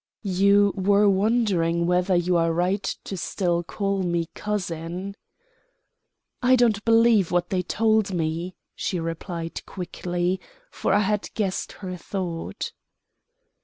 "You were wondering whether you are right still to call me cousin." "I don't believe what they told me," she replied quickly, for I had guessed her thought.